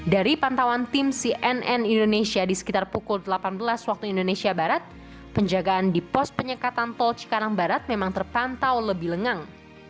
dari pantauan tim cnn indonesia di sekitar pukul delapan belas waktu indonesia barat penjagaan di pos penyekatan tol cikarang barat memang terpantau lebih lengang